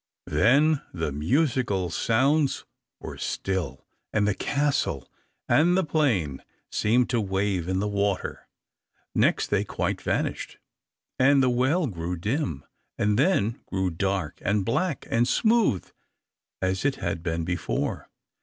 Then the musical sounds were still, and the castle and the plain seemed to wave in the water. Next they quite vanished, and the well grew dim, and then grew dark and black and smooth as it had been before.